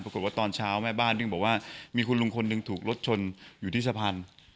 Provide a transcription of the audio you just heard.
ตอนเช้าแม่บ้านซึ่งบอกว่ามีคุณลุงคนหนึ่งถูกรถชนอยู่ที่สะพาน